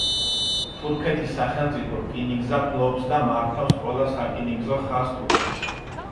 თურქეთის სახელმწიფო რკინიგზა ფლობს და მართავს ყველა სარკინიგზო ხაზს თურქეთში.